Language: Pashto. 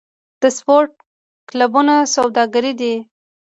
د سپورت کلبونه سوداګري ده؟